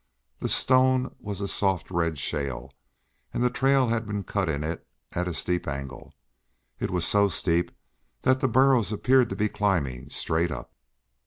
The stone was a soft red shale, and the trail had been cut in it at a steep angle. It was so steep that the burros appeared to be climbing straight up.